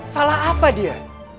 salah apa dia